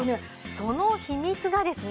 その秘密がですね